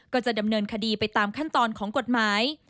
ก็จะดำเนินคดีไปตามขั้นตอนของกฎหมาย